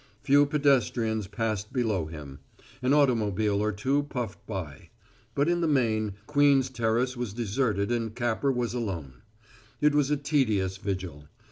Few pedestrians passed below him; an automobile or two puffed by; but in the main, Queen's Terrace was deserted and Capper was alone. It was a tedious vigil.